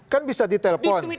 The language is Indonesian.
kan bisa di telepon